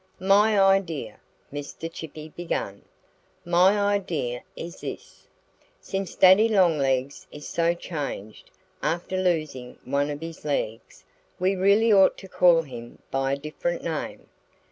"My idea " Mr. Chippy began "my idea is this: since Daddy Longlegs is so changed, after losing one of his legs, we really ought to call him by a different name.